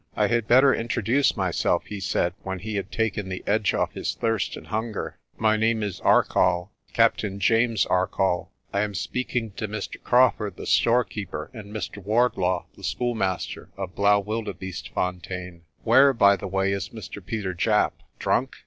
"I had better introduce myself," he said, when he had taken the edge off his thirst and hunger. "My name is Ar coll, Captain James Arcoll. I am speaking to Mr. Craw furd, the storekeeper, and Mr. Wardlaw, the schoolmaster, of Blaauwildebeestefontein. Where, by the way, is Mr. Peter Japp? Drunk?